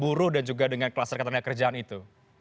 buruh dan juga dengan kelas rekatan daya kerjaan itu